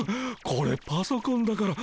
これパソコンだから。